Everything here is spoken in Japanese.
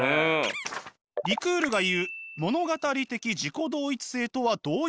リクールが言う物語的自己同一性とはどういうものか？